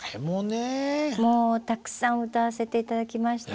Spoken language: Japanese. もうたくさん歌わせて頂きました。